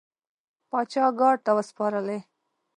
پاچا ګارد ته وسپارلې.